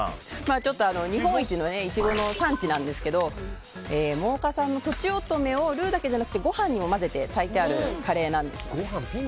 日本一のイチゴの産地なんですけど真岡産のとちおとめをルーだけじゃなくてご飯にも混ぜて炊いてあるカレーなんです。